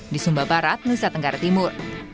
di sumba barat nusa tenggara timur